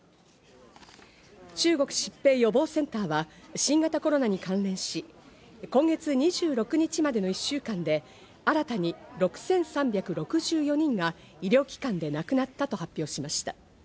中国疾病予防センターは、新型コロナに関連し、今月２６日までの１週間で新たに６３６４人が医療機関で亡くなったと発表しました。